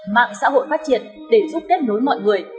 mạng xã hội phát triển để giúp kết nối mọi người